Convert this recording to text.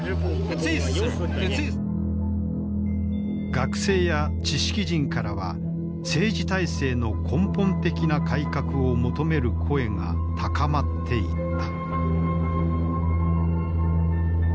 学生や知識人からは政治体制の根本的な改革を求める声が高まっていった。